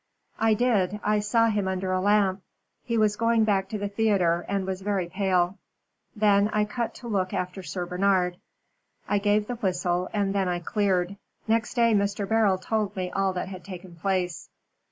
"I did. I saw him under a lamp. He was going back to the theatre and was very pale. Then I cut to look after Sir Bernard. I gave the whistle and then I cleared. Next day Mr. Beryl told me all that had taken place."